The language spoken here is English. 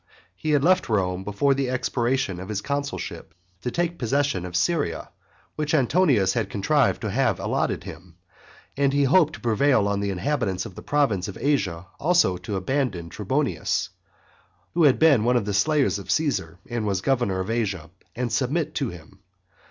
He had left Rome before the expiration of his consulship to take possession of Syria, which Antonius had contrived to have allotted him, and he hoped to prevail on the inhabitants of the province of Asia also to abandon Trebonius, (who had been one of the slayers of Caesar, and was governor of Asia) and submit to him.